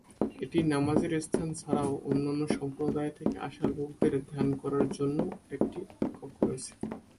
এটিতে নামাজের স্থান ছাড়াও, অন্যান্য সম্প্রদায় থেকে আসা লোকদের ধ্যান করার জন্যও একটি কক্ষ রয়েছে।